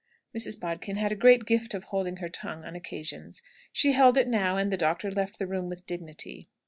Mrs. Bodkin had a great gift of holding her tongue on occasions. She held it now, and the doctor left the room with dignity.